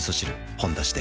「ほんだし」で